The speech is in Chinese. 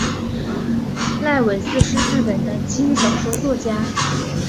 濑尾司是日本的轻小说作家。